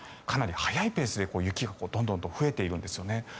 かなり速いペースで雪がどんどんと増えているんですよね。